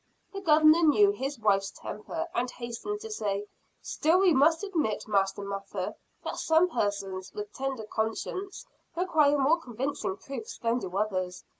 The Governor knew his wife's temper, and hastened to say: "Still we must admit, Master Mather, that some persons, with tender conscience, require more convincing proofs than do others.